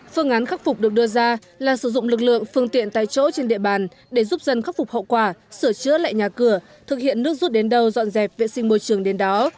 phương án khắc phục được đưa ra là sử dụng lực lượng phương tiện tại chỗ trên địa bàn để giúp dân khắc phục hậu quả sửa chữa lại nhà cửa thực hiện nước rút đến đâu dọn dẹp vệ sinh môi trường đến đó